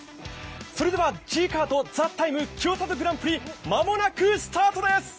それでは「ＧーＫＡＲＴＴＨＥＴＩＭＥ，清里グランプリ」間もなくスタートです！